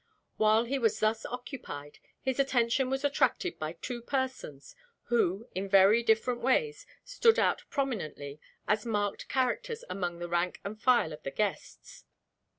While he was thus occupied, his attention was attracted by two persons who, in very different ways, stood out prominently as marked characters among the rank and file of the guests.